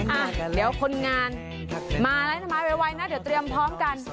อ่ะเดี๋ยวคนงานมาแล้วมาไวนะเดี๋ยวเตรียมพร้อมกัน